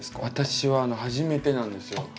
私は初めてなんですよ。